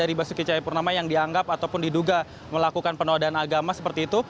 jadi basuki cahaya purnama yang dianggap ataupun diduga melakukan penodaan agama seperti itu